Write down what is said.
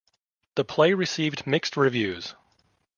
The play received mixed reviews.